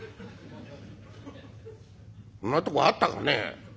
「そんなとこあったかね。